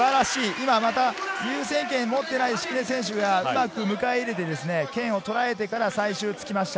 今また優先権を持っていない敷根選手がうまく迎え入れて剣をとらえてから最終、突きました。